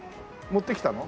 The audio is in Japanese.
持ってきたの？